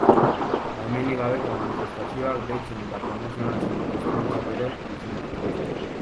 Baimenik gabeko manifestazioak deitzen eta promozionatzen dituztenentzat ere, isunak.